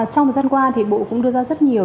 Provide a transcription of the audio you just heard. trong thời gian qua thì bộ cũng đưa ra rất nhiều